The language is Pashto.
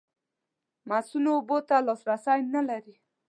مصؤنو اوبو ته لاسرسی نه لري.